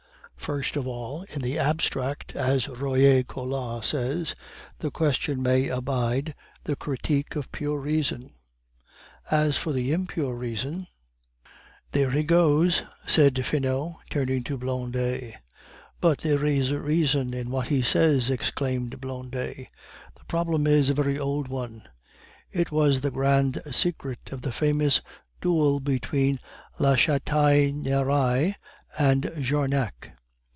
First of all, 'in the abstract,' as Royer Collard says, the question may abide the Kritik of Pure Reason; as for the impure reason " "There he goes!" said Finot, turning to Blondet. "But there is reason in what he says," exclaimed Blondet. "The problem is a very old one; it was the grand secret of the famous duel between La Chataigneraie and Jarnac.